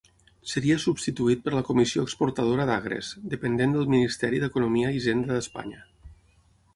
Seria substituït per la Comissió Exportadora d'Agres, dependent del Ministeri d'Economia i Hisenda d'Espanya.